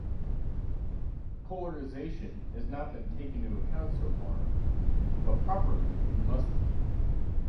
Polarization has not been taken into account so far, but properly it must be.